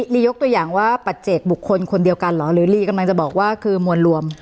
ลียกตัวอย่างว่าปัจเจกบุคคลคนเดียวกันเหรอหรือลีกำลังจะบอกว่าคือมวลรวม